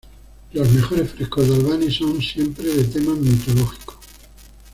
Los mejores frescos de Albani son siempre de tema mitológico.